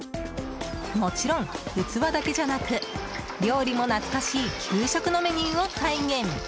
もちろん、器だけじゃなく料理も懐かしい給食のメニューを再現。